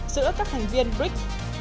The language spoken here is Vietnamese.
giữa các thành viên bric